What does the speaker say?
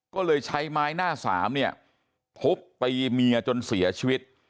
ก็เลยใช้ไม้หน้าสามเนี่ยทุบตีเมียจนเสียชีวิต